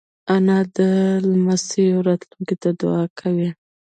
انا د لمسیو راتلونکې ته دعا کوي